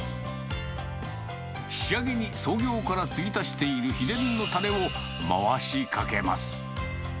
仕上げに創業から継ぎ足している秘伝のたれを回しかけます。